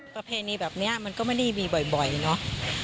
ประเพณีแบบนี้มันก็ไม่ได้มีบ่อยเนอะ